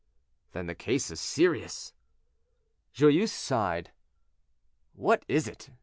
"Then the case is serious." Joyeuse sighed. "What is it?